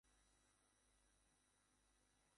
যাই হোক, যথাসময়ে আমার স্ত্রীর জন্ম হল-ফুটফুটে একটি মেয়ে।